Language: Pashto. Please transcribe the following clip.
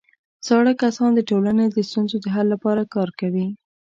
زاړه کسان د ټولنې د ستونزو د حل لپاره کار کوي